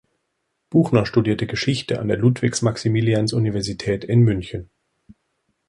Buchner studierte Geschichte an der Ludwig-Maximilians-Universität in München.